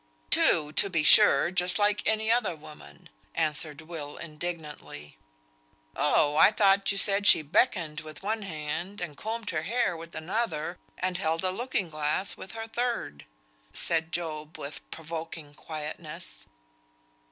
"Two, to be sure, just like any other woman," answered Will, indignantly. "Oh! I thought you said she beckoned with one hand, and combed her hair with another, and held a looking glass with a third," said Job, with provoking quietness.